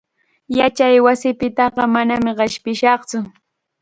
Yachaywasipitaqa manam qishpinatsu.